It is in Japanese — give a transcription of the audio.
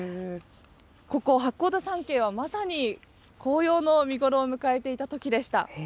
ここ八甲田山系は、まさに紅葉の見頃を迎えていたときでした。